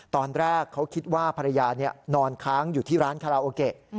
ตอนแรกเขาคิดว่าภรรยานอนค้างอยู่ที่ร้านคาราโอเกะ